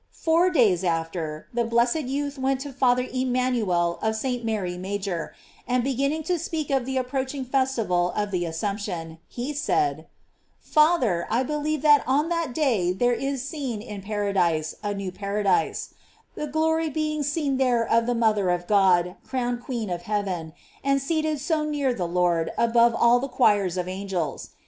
Four days after^ the blessed youth went with Father Emmanuel to St. Mary Major, and beginning to speak of the approaching festival of the Assumption, he said: "Father, I believe that on that day there is seen in paradise a new paradise, the glory being seen there of the mother of God crowned queen of heaven, and seated so near the Lord above all the choirs of angels.